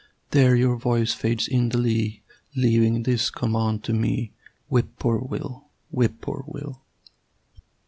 There! your voice fades in the lea Leaving this command to me, "Whip poor Will! Whip poor Will!"